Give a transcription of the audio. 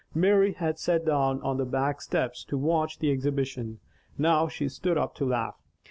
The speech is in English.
Mary had sat down on the back steps to watch the exhibition. Now, she stood up to laugh.